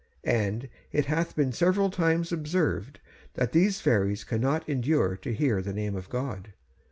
And it hath been several times observed that these fairies cannot endure to hear the name of God.'